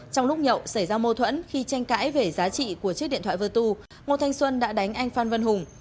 trong lúc nhậu xảy ra mô thuẫn khi tranh cãi về giá trị của chiếc điện thoại vơ tu ngô thanh xuân đã đánh anh phan vân hùng